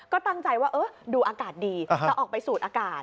ก็ตั้งใจว่าดูอากาศดีจะออกไปสูดอากาศ